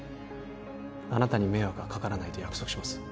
あなたに迷惑はかからないと約束します